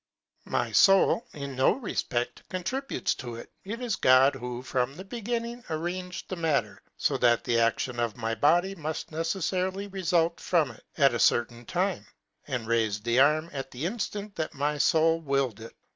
My foul, in no rcfpect, contributes to it ; it i is 334 LIBERTY OF SPIRITS. is God who, from the beginning, arranged the mat ter, fo that the action of my body muft neceffarily remit from it, at a certain time, and raife the arm at the inftant that my foul willed it.